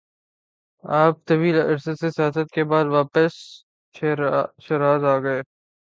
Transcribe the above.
آپ طویل عرصہ سے سیاحت کے بعد واپس شیراز آگئے-